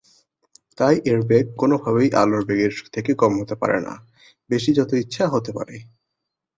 তাই এর বেগ কোনভাবেই আলোর বেগের থেকে কম হতে পারে না, বেশি যত ইচ্ছা হতে পারে।